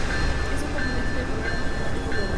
Es un componente del Programa Climático Global.